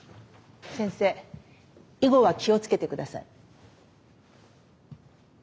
先生以後は気を付けてください。